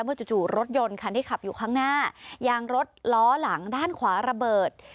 จู่รถยนต์คันที่ขับอยู่ข้างหน้ายางรถล้อหลังด้านขวาระเบิด